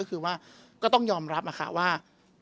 ก็คือต้องยอมรับว่า